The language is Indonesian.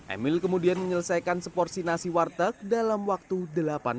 emil kemudian menyelesaikan seporsi nasi warteg dalam waktu delapan jam